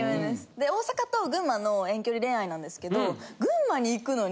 で大阪と群馬の遠距離恋愛なんですけど。